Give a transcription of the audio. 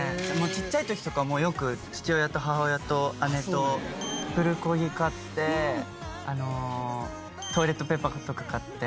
ちっちゃい時とかもよく父親と母親と姉とプルコギ買ってトイレットペーパーとか買って。